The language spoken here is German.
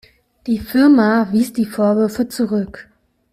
Die Firma wies die Vorwürfe zurück.